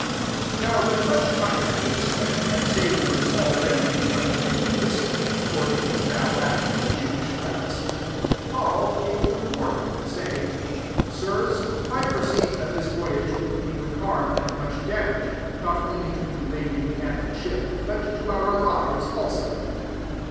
9 Now when much time had been spent, and sailing was al ready become dangerous, (for it •" About the 2ffth of September." was now after the Jewish fast,)* Paul, gave them warning, 10 sajing, « Sirs, I perceive that this voyage will be with harm and much damage, not only to the lading and the ship, but to our lives also."